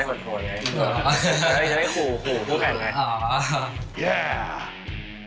แล้วจะได้ขู่ทุกแข่งไง